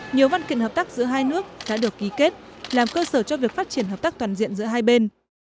nhiều văn kiện hợp tác giữa hai nước đã được ký kết làm cơ sở cho việc phát triển hợp tác toàn diện giữa hai bên